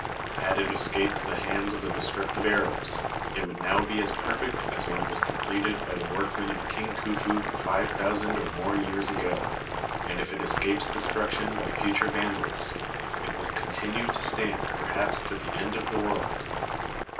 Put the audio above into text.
Had it escaped the hands of the destructive Arabs, it would now be as perfect as when it was completed by the work men of King Khufu five thousand or more years ago, and if it escapes destruction by future van dals, it will continue to stand perhaps to the end of the world.